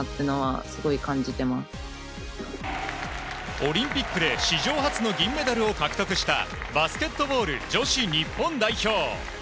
オリンピックで史上初の銀メダルを獲得したバスケットボール女子日本代表。